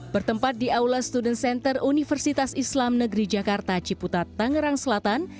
bertempat di aula student center universitas islam negeri jakarta ciputat tangerang selatan